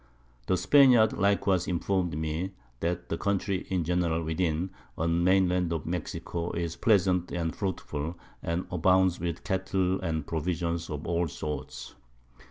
The Spaniards likewise inform'd me, that the Country in general within on the main Land of Mexico, is pleasant and fruitful, and abounds with Cattle and Provisions of all sorts.